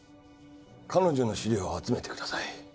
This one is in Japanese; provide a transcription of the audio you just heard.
彼女の資料を集めてください。